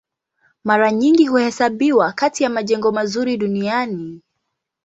Mara nyingi huhesabiwa kati ya majengo mazuri duniani.